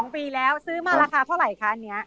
๒ปีแล้วซื้อมาราคาเท่าไหร่คะอันนี้